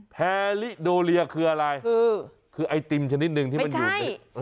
แพลิโดเลียคืออะไรคือไอติมชนิดหนึ่งที่มันอยู่